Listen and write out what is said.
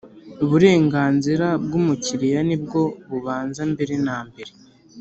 Uburenganzira bw umukiriya nibwo bubanza mbere na mbere